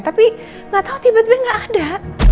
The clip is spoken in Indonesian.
tapi gak tau tiba tiba nggak ada